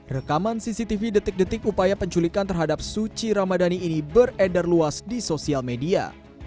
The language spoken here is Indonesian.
rekaman cctv detik detik upaya penculikan terhadap suci ramadhani ini beredar luas di sosial media